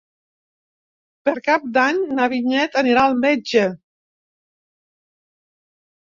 Per Cap d'Any na Vinyet anirà al metge.